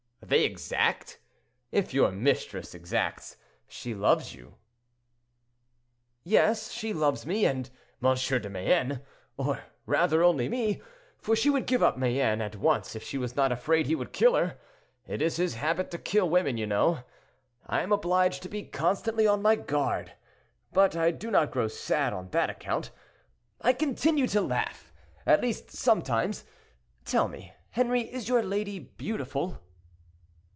"They exact! If your mistress exacts, she loves you." "Yes, she loves me and M. de Mayenne—or rather only me, for she would give up Mayenne at once if she was not afraid he would kill her; it is his habit to kill women, you know. I am obliged to be constantly on my guard, but I do not grow sad on that account; I continue to laugh—at least, sometimes. Tell me, Henri, is your lady beautiful?"